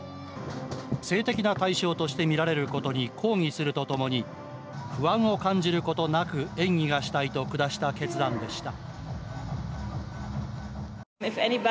性的な対象として見られることに抗議するとともに不安を感じることなく演技がしたいと下した決断でした。